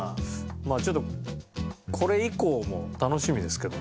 まあちょっとこれ以降も楽しみですけどね。